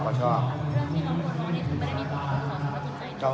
ก็ชอบเขาชอบ